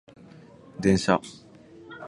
電車